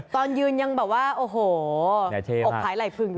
ตอนยืนยังบอกว่าโอโหอกถายหลายฝึ่ง